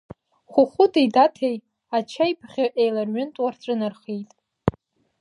Хәыхәыти Даҭеи ачаибӷьы еиларҩынтуа рҿынархеит.